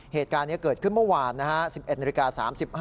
เหตุการณ์นี้เกิดขึ้นเมื่อวานนะครับ